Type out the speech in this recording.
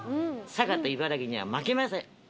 佐賀と茨城には負けません！